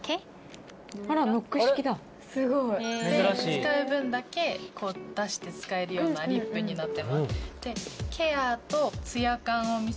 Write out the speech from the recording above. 使う分だけ出して使えるようなリップになってます。